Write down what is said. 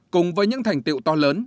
cùng với những thành tựu to lớn